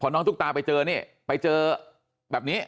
น้องตุ๊กตาไปเจอนี่ไปเจอแบบนี้